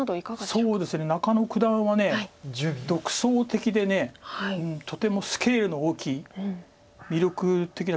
そうですね中野九段は独創的でとてもスケールの大きい魅力的な。